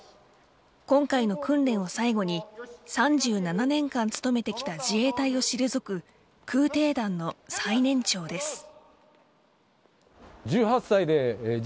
今回の訓練を最後に３７年間務めてきた自衛隊を退く空挺団の最年長です。